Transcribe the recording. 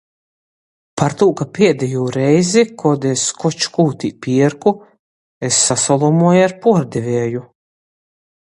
Partū, ka pādejū reizi, kod es koč kū tī pierku, es sasalomuoju ar puordevieju